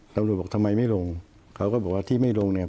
บอกทำไมไม่ลงเขาก็บอกว่าที่ไม่ลงเนี่ย